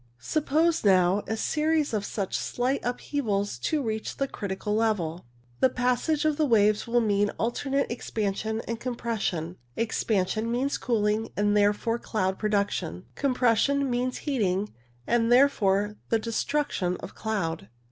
Suppose now a series of such slight upheavals to reach the critical level. The passage of the waves will mean alternate expansion and com pression. Expansion means cooling, and therefore cloud production ; compression means heating, and therefore the destruction of cloud.